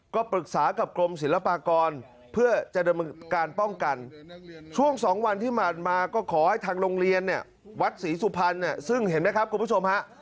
ก็ปรึกษากับกรมศิลปากรเพื่อจะดำเนินการป้องกันช่วง๒วันที่ผ่านมาก็ขอให้ทางโรงเรียนเนี่ยวัดศรีสุพรรณซึ่งเห็นไหมครับคุณผู้ชมฮะ